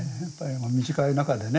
短い中でね